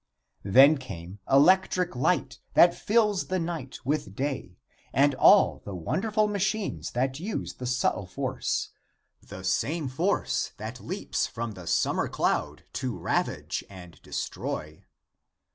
Then came electric light that fills the night with day, and all the wonderful machines that use the subtle force the same force that leaps from the summer cloud to ravage and destroy.